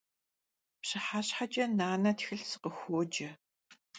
Pşıheşheç'e nane txılh sıkhıxuoce.